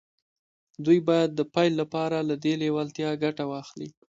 دوی باید د پیل لپاره له دې لېوالتیا ګټه واخلي